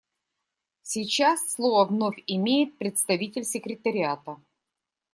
Сейчас слово вновь имеет представитель Секретариата.